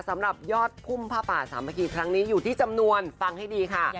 สำหรับยอดพุ่มผ้าป่าสามัคคีครั้งนี้อยู่ที่จำนวนฟังให้ดีค่ะ